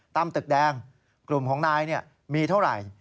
ตึกแดงกลุ่มของนายมีเท่าไหร่